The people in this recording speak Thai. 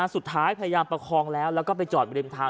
พยายามประคองแล้วแล้วก็ไปจอดริมทาง